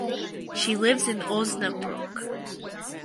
She lives in Osnabruck.